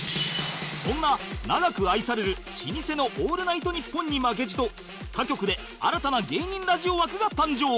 そんな長く愛される老舗の『オールナイトニッポン』に負けじと他局で新たな芸人ラジオ枠が誕生